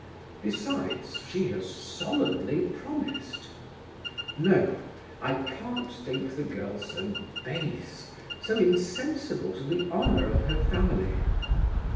Besides, she has solemnly promised. No I can't think the girl so base so insensible to the honour of her family.